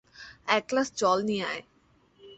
এক গ্লাস জল নিয়ে আয়।